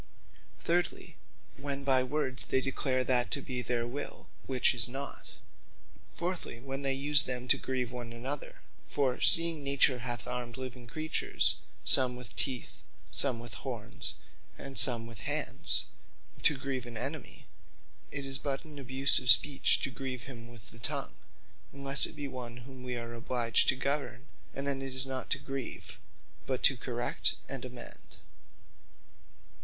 Thirdly, when by words they declare that to be their will, which is not. Fourthly, when they use them to grieve one another: for seeing nature hath armed living creatures, some with teeth, some with horns, and some with hands, to grieve an enemy, it is but an abuse of Speech, to grieve him with the tongue, unlesse it be one whom wee are obliged to govern; and then it is not to grieve, but to correct and amend.